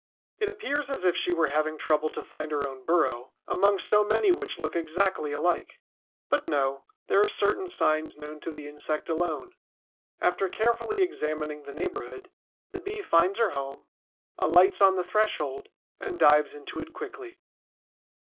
It appears as if she were having trouble to find her own burrow among so many which look exactly alike. But no, there are certain signs known to the insect alone. After carefully examining the neighborhood, the Bee finds her home, alights on the threshold, and dives into it quickly.